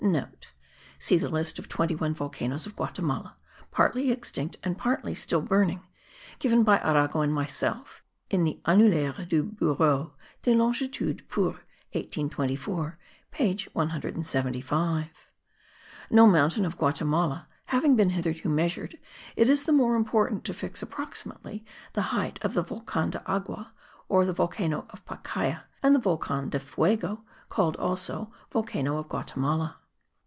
(* See the list of twenty one volcanoes of Guatimala, partly extinct and partly still burning, given by Arago and myself, in the Annuaire du Bureau des Longitudes pour 1824 page 175. No mountain of Guatimala having been hitherto measured, it is the more important to fix approximately the height of the Volcan de Agua, or the Volcano of Pacaya, and the Volcan de Fuego, called also Volcano of Guatimala.